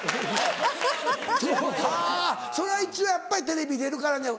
はぁそれは一応やっぱりテレビ出るからには。